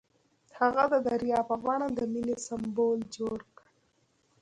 هغه د دریا په بڼه د مینې سمبول جوړ کړ.